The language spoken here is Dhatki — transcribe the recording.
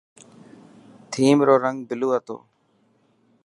ٿيم رو رنگ بلو هتو.